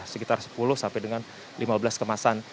sekitar sepuluh sampai dengan lima belas kemasan